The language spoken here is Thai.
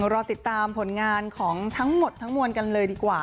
รอติดตามผลงานของทั้งหมดทั้งมวลกันเลยดีกว่า